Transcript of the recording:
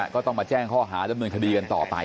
ก็ต้องมาแจ้งข้อหาดำเนินคดีกันต่อไป